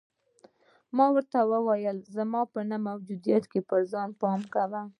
ما ورته وویل: زما په نه موجودیت کې پر ځان پام کوه.